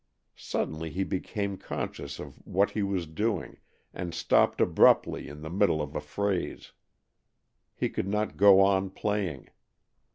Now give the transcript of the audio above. Suddenly, he became conscious of what he was doing, and stopped abruptly in the middle of a phrase. He could not go on playing.